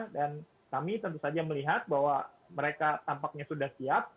dan kami tentu saja melihat bahwa mereka tampaknya sudah siap